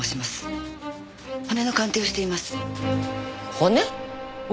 骨？